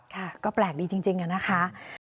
ค่ะก็แปลกดีจริงนะคะ